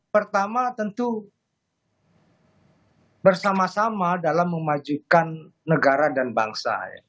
pertama tentu bersama sama dalam memajukan negara dan bangsa